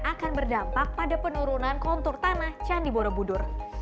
akan berdampak pada penurunan kontur tanah candi borobudur